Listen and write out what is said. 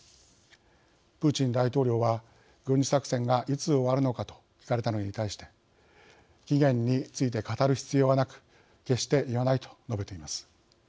プーチン大統領は軍事作戦がいつ終わるのかと聞かれたのに対して期限について語る必要はなく決して言わないと述べています。